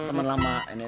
temen lama ini nih